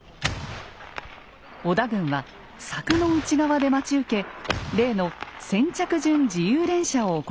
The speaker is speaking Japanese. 織田軍は柵の内側で待ち受け例の先着順自由連射を行います。